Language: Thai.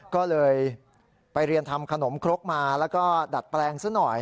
ก็เลยไปเรียนทำขนมครกมาแล้วก็ดัดแปลงซะหน่อย